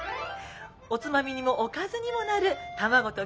おつまみにもおかずにもなる卵とキクラゲの炒め。